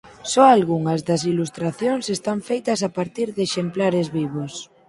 Só algunhas das ilustracións están feitas a partir de exemplares vivos.